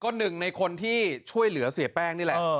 ก็หนึ่งในคนที่ช่วยเหลือเสียแป้งนี่แหละ